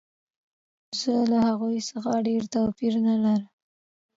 زه له هغوی څخه ډېر توپیر نه لرم